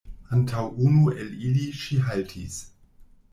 Antaŭ unu el ili ŝi haltis.